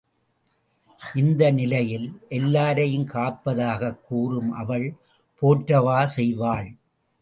இந்த நிலையில், எல்லாரையும் காப்பதாகக் கூறும் அவள் போற்றவா செய்வாள்?